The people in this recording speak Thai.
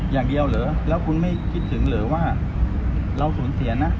อย่างเดียวเหรอแล้วคุณไม่คิดถึงเหรอว่าเราสูญเสียนะ